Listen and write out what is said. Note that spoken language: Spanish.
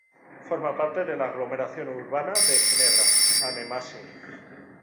Forma parte de la aglomeración urbana de Ginebra-Annemasse.